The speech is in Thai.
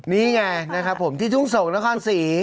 นี่ไงนะครับผมที่ทุ่งสงศนครศรี